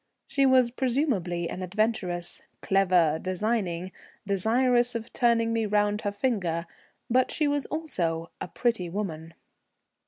She was presumably an adventuress, clever, designing, desirous of turning me round her finger, but she was also a pretty woman.